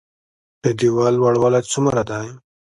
د ديوال لوړوالی څومره ده؟